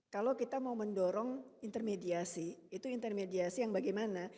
kalau kita mau mendorong intermediasi itu intermediasi yang bagaimana